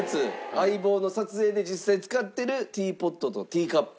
『相棒』の撮影で実際に使ってるティーポットとティーカップ。